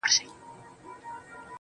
دلته خواران ټوله وي دلته ليوني ورانوي.